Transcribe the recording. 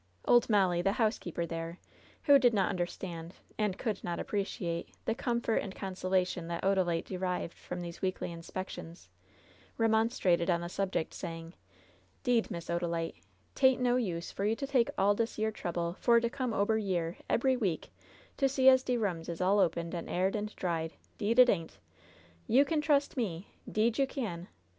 Old Molly, the housekeeper there, who did not under stand, and could not appreciate, the comfort and consola tion that Odalite derived from these weekly inspections, remonstrated on the subject, saying: " 'Deed, Miss Odalite, Hain't no use for you to take all difl yere trouble for to come ober yere ebery week to see as de rooms is all opened and aired and dried — 'deed it ain't. You can trust me — 'deed you can.